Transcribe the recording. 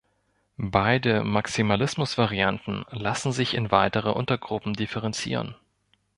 Beide Maximalismus-Varianten lassen sich in weitere Untergruppen differenzieren.